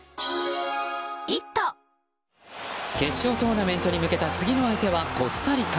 決勝トーナメントに向けた次の相手はコスタリカ。